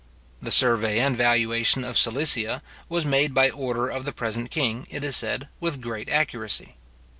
The survey and valuation of Silesia was made by order of the present king, it is said, with great accuracy.